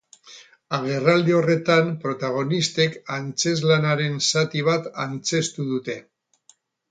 Agerraldi horretan protagonistek antzezlanaren zati bat antzeztu dute.